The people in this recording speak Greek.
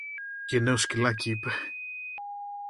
Γενναίο σκυλάκι, είπε